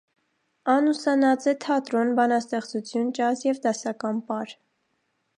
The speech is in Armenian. Ան ուսանած է թատրոն, բանաստեղծութիւն, ճազ եւ դասական պար։